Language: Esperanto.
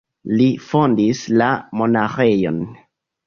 Li fondis la monaĥejon.